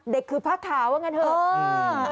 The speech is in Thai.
เด็กคือพระขาวกันเถอะ